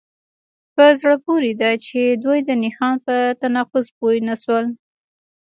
په زړه پورې ده چې دوی د نښان په تناقض پوه نشول